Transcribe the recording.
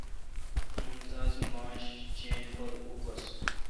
ممتاز ماݭہ چین پر اوکھس۔